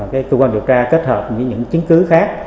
cái cơ quan điều tra kết hợp với những chứng cứ khác